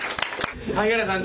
萩原さん